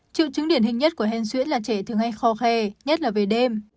triệu chứng điển hình nhất của hèn xuyễn là trẻ thường hay khó khè nhất là về đêm